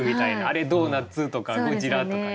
あれドーナツとかゴジラとか。